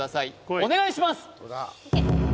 お願いします